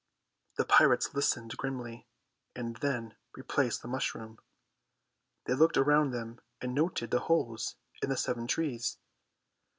The pirates listened grimly, and then replaced the mushroom. They looked around them and noted the holes in the seven trees.